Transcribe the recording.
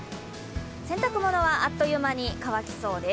洗濯物はあっという間に乾きそうです。